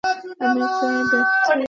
আর প্রায় ব্যথাহীন।